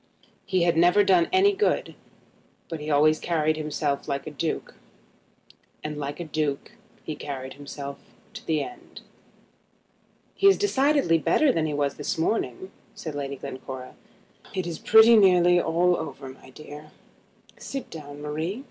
He had never done any good, but he had always carried himself like a duke, and like a duke he carried himself to the end. "He is decidedly better than he was this morning," said Lady Glencora. "It is pretty nearly all over, my dear. Sit down, Marie.